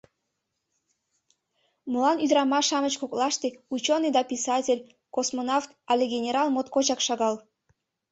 Молан ӱдырамаш-шамыч коклаште ученый ден писатель, космонавт але генерал моткочак шагал?